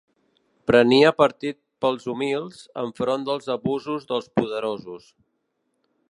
Prenia partit pels humils, enfront dels abusos dels poderosos.